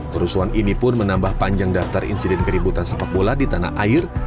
kerusuhan ini pun menambah panjang daftar insiden keributan sepak bola di tanah air